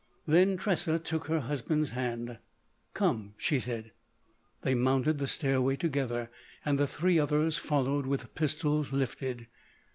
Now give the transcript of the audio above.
Then Tressa took her husband's hand. "Come," she said. They mounted the stairway together; and the three others followed with pistols lifted.